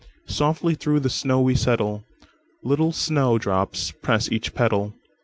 "Softly through the snow we settle, Little snow drops press each petal.